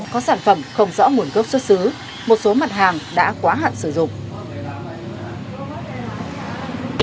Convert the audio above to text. có sản phẩm không rõ nguồn gốc xuất xứ một số mặt hàng đã quá hạn sử dụng